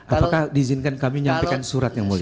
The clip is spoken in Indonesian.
apakah diizinkan kami nyampaikan surat yang mulia